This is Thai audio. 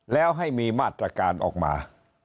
แล้วให้มีมาตรการออกมา